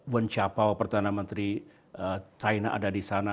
wen xiaopao perdana menteri china ada di sana